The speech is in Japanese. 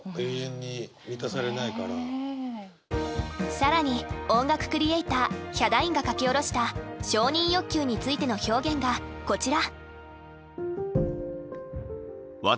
更に音楽クリエイターヒャダインが書き下ろした承認欲求についての表現がこちら。